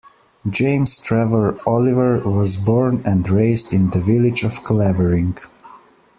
James Trevor Oliver was born and raised in the village of Clavering.